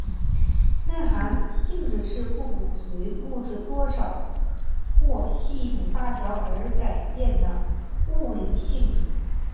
内含性质是不随物质多少或系统大小而改变的物理性质。